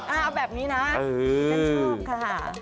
เอาแบบนี้นะฉันชอบค่ะ